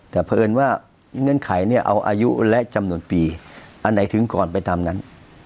แต่เพราะเอิญว่าเงื่อนไขเอาอายุและจำนวนปีอันไหนถึงก่อนไปตามนั้น